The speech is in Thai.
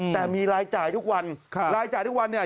แต่มีรายจ่ายทุกวันรายจ่ายทุกวันเนี่ย